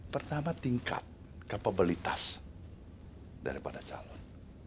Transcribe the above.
pertama tingkat kapabilitas daripada calon